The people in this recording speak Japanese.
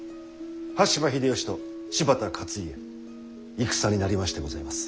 羽柴秀吉と柴田勝家戦になりましてございます。